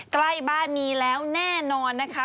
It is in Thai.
ใกล้บ้านมีแล้วแน่นอนนะคะ